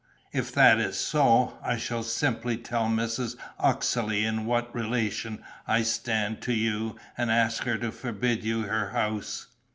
"If that is so, I shall simply tell Mrs. Uxeley in what relation I stand to you and ask her to forbid you her house."